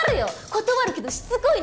断るけどしつこいの！